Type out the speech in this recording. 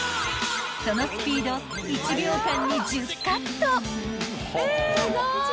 ［そのスピード１秒間に１０カット］